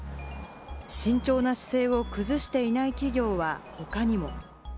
慎重な姿勢を崩していない企業は他にも。